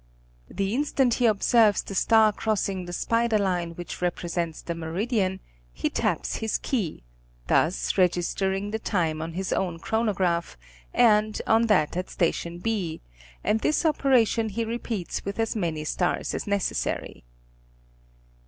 The instant he observes the star crossing the spider line which repre sents the meridian, he taps his key, thus registering the time on his own chronograph and on that at station B and this operation he repeats with as many stars as necessary.